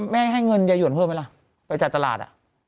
ไม่ให้เงินยาย่วนเพิ่มไหมล่ะบริษัทตลาด